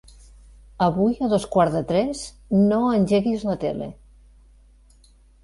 Avui a dos quarts de tres no engeguis la tele.